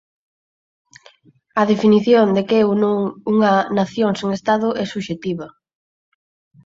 A definición de que é ou non unha nación sen estado é subxectiva.